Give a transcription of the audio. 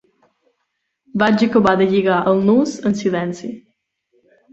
Vaig acabar de lligar el nus en silenci.